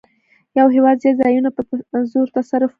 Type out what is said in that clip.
یو هېواد زیات ځایونه په زور تصرف کوي